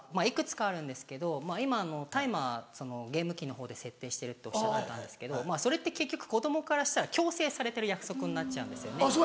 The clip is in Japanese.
いくつかあるんですけど今のタイマーゲーム機のほうで設定してるっておっしゃってたんですけどそれって結局子供からしたら強制されてる約束になっちゃうんですよね。